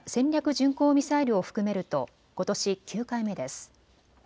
巡航ミサイルを含めるとことし９回目です。